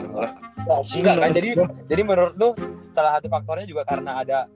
enggak kan jadi menurut tuh salah satu faktornya juga karena ada